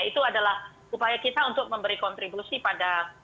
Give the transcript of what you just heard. itu adalah upaya kita untuk memberi kontribusi pada